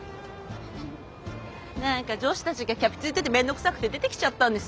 何か女子たちがキャピついてて面倒くさくて出てきちゃったんです。